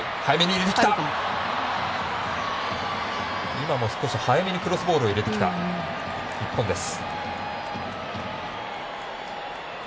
今も少し早めにクロスボールを入れてきた、日本です。